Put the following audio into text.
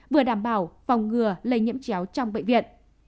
vừa đảm bảo phòng ngừa lây nhiễm chéo trong bệnh viện